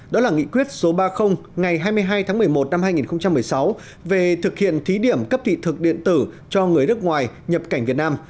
đó là nghị quyết số ba mươi ngày hai mươi hai tháng một mươi một năm hai nghìn một mươi sáu về thực hiện thí điểm cấp thị thực điện tử cho người nước ngoài nhập cảnh việt nam